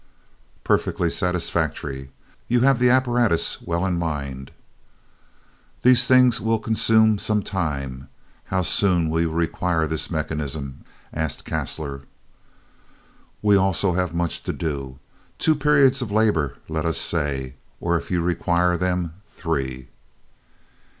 "Perfectly satisfactory. You have the apparatus well in mind." "These things will consume some time. How soon will you require this mechanism?" asked Caslor. "We also have much to do. Two periods of labor, let us say: or, if you require them, three."